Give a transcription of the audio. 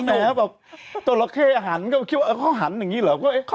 และก็เขาคุณความดังว่า